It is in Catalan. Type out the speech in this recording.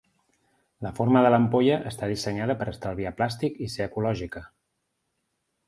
La forma de l'ampolla està dissenyada per estalviar plàstic i ser ecològica.